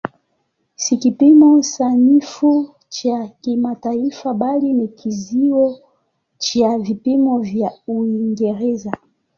Si kipimo sanifu cha kimataifa bali ni kizio cha vipimo vya Uingereza.